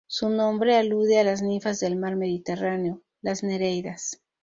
Su nombre alude a las ninfas del Mar Mediterráneo, las nereidas.